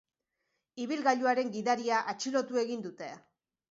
Ibilgailuaren gidaria atxilotu egin dute.